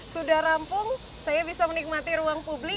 sudah rampung saya bisa menikmati ruang publik